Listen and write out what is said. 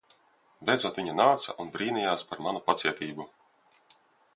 Beidzot viņa nāca un brīnijās par manu pacietību.